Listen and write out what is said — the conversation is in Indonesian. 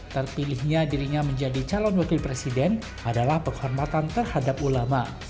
terpilihnya dirinya menjadi calon wakil presiden adalah penghormatan terhadap ulama